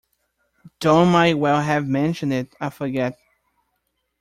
Don might well have mentioned it; I forget.